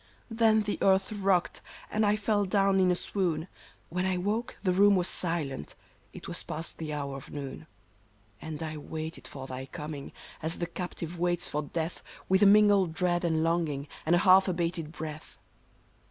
Then the earth rocked, and I fell down in a swoon ; When I woke the room was silent ; it was past the hour of noon ;" And I waited for thy coming, as the captive waits for death. With a mingled dread and longing, and a half abated breath